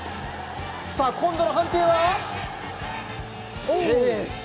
今度の判定はセーフ。